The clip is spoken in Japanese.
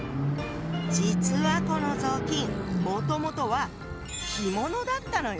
実はこの雑巾もともとは着物だったのよ。